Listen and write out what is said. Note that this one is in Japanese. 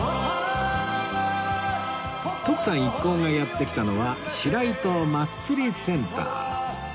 徳さん一行がやって来たのは白糸マス釣りセンター